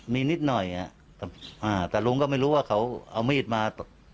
มีนิดหน่อยแต่ลุงก็ไม่รู้ว่าเขาเอามีดมา